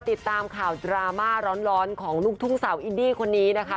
ติดตามข่าวดราม่าร้อนของลูกทุ่งสาวอินดี้คนนี้นะคะ